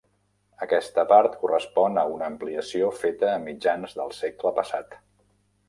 Aquesta part correspon a una ampliació feta a mitjans del segle passat.